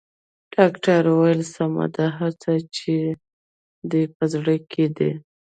ډاکټر وويل سمه ده هر څه چې دې په زړه کې دي.